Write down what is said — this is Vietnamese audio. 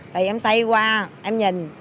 thì em xây qua em nhìn